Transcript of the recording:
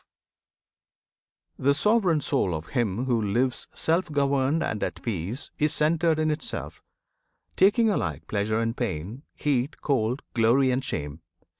[FN#10] The sovereign soul Of him who lives self governed and at peace Is centred in itself, taking alike Pleasure and pain; heat, cold; glory and shame.